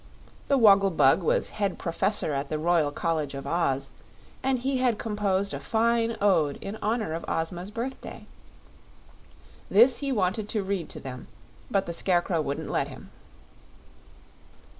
The Woggle Bug was head professor at the Royal College of Oz, and he had composed a fine Ode in honor of Ozma's birthday. This he wanted to read to them; but the Scarecrow wouldn't let him.